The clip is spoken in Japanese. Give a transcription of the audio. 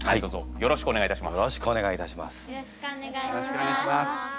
よろしくお願いします。